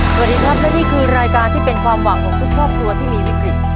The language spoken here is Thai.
สวัสดีครับและนี่คือรายการที่เป็นความหวังของทุกครอบครัวที่มีวิกฤต